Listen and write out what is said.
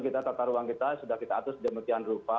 kita tata ruang kita sudah kita atur sedemikian rupa